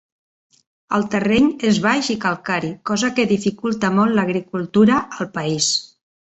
El terreny és baix i calcari, cosa que dificulta molt l'agricultura al país.